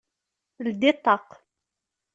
Ldi ṭṭaq!